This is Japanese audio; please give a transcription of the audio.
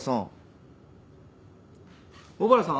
小原さん。